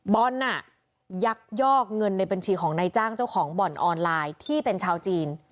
บอลน่ะยักยอกเงินในบัญชีของนายจ้างเจ้าของบ่อนออนไลน์ที่เป็นชาวจีน